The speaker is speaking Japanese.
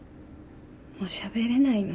もうしゃべれないの。